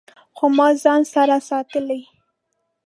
خو ما ځان سره ساتلي